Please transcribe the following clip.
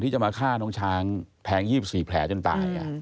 จะมาฆ่าน้องช้างแทง๒๔แผลจนตาย